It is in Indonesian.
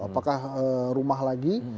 apakah rumah lagi